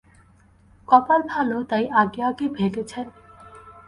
কপাল ভালো, তাই আগে আগে ভেগেছেন।